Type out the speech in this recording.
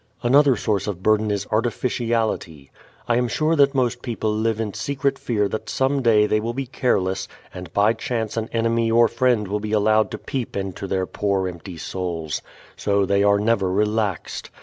Another source of burden is artificiality. I am sure that most people live in secret fear that some day they will be careless and by chance an enemy or friend will be allowed to peep into their poor empty souls. So they are never relaxed.